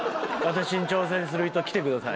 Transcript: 私に挑戦する人来てください。